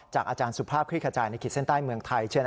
จากอาจารย์สุภาพคลิกระจายนิขีดเส้นใต้เมืองไทย